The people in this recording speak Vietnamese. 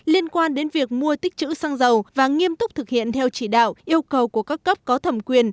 liên quan đến việc mua tích chữ xăng dầu và nghiêm túc thực hiện theo chỉ đạo yêu cầu của các cấp có thẩm quyền